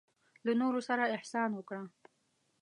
له نورو سره احسان وکړه.